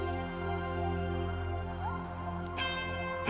baca ajaib ini